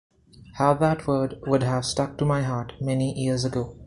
How that word would have struck to my heart, many years ago!